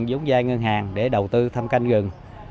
giống giai ngân hàng để đầu tư thăm canh rừng